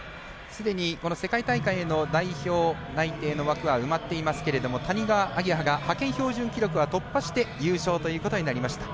すでに世界大会への代表内定の枠は埋まっていますけれども谷川亜華葉が派遣標準記録は突破して優勝ということになりました。